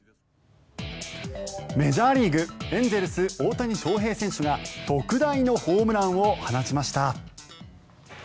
メジャーリーグエンゼルス、大谷翔平選手が特大のホームランを放ちました。